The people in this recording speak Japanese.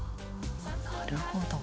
なるほど。